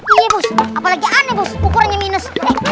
iya bos apalagi aneh bos ukurannya minus